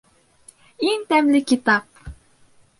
ИҢ ТӘМЛЕ КИТАП!